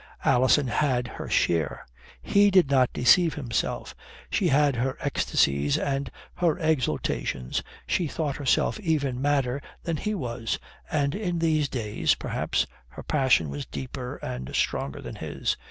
Alison had her share. He did not deceive himself. She had her ecstasies and her exultations, she thought herself even madder than he was. And in these days, perhaps, her passion was deeper and stronger than his.